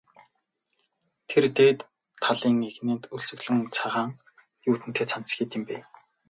Тэр дээд талын эгнээнд өлгөсөн цагаан юүдэнтэй цамц хэд юм бэ?